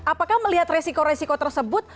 apakah melihat resiko resiko tersebut